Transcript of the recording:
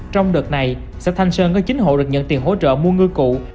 trong đợt này xã thanh sơn có chín hộ được nhận tiền hỗ trợ mua ngư cụ